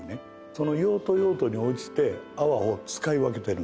その用途用途に応じて泡を使い分けてるんです。